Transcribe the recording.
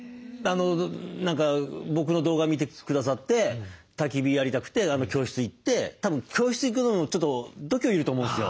何か僕の動画見てくださってたき火やりたくて教室行ってたぶん教室行くのもちょっと度胸要ると思うんですよ。